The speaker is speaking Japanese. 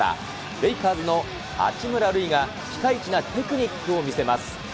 レイカーズの八村塁がピカイチなテクニックを見せます。